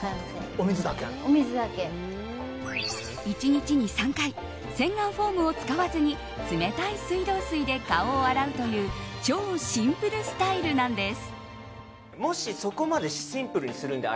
１日に３回洗顔フォームを使わずに冷たい水道水で顔を洗うという超シンプルスタイルなんです。